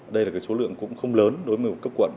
đây là số lượng cũng không lớn đối với cấp quận